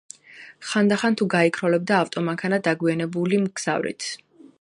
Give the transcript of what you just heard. ხანდახან თუ გაიქროლებდა ავტომანქანა დაგვიანებული მგზავრით.